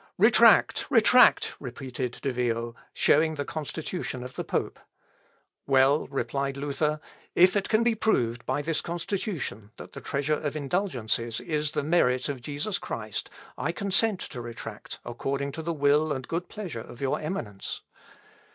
"Retract! retract!" repeated De Vio, showing the Constitution of the pope. "Well," replied Luther, "if it can be proved by this Constitution that the treasure of indulgences is the merit of Jesus Christ, I consent to retract according to the will and good pleasure of your Eminence...."